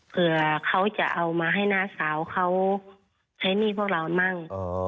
เผื่อเขาจะเอามาให้น้าสาวเขาใช้หนี้พวกเรามั่ง